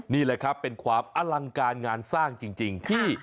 นี่แหละครับเป็นความอลังการงานสร้างจริงที่